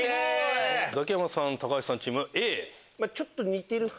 ザキヤマさん・橋さんチームＡ。